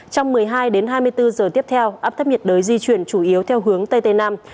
trong một mươi hai đến hai mươi bốn giờ tiếp theo áp thấp nhiệt đới di chuyển chủ yếu theo hướng tây tây nam